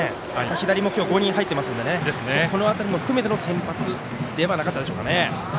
左も今日５人入っていますのでこの辺りも含めての先発ではないでしょうか。